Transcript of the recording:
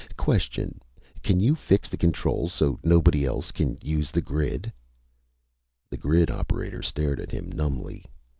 Question: Can you fix the controls so nobody else can use the grid?" The grid operator stared at him numbly.